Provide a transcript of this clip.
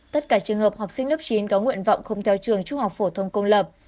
tất cả trường hợp học sinh lớp chín có nguyện vọng không theo trường trung học phổ thông công lập